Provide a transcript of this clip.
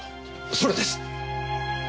それです！